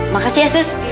makasih ya sus